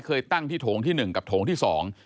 เคยตั้งที่โถงที่หนึ่งกับโถงที่สอง